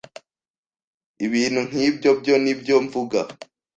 Ibintu nk'ibyo byo nibyo mvuga